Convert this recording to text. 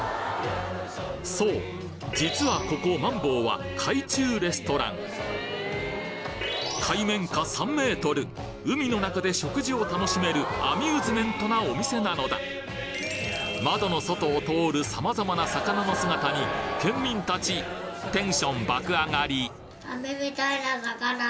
そう実はここ萬坊は海面下３ｍ海の中で食事を楽しめるアミューズメントなお店なのだ窓の外を通る様々な魚の姿に県民たちテンション爆上がり！